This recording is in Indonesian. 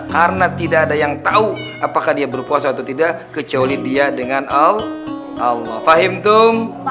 karena tidak ada yang tahu apakah dia berpuasa atau tidak kecuali dia dengan allah fahim tum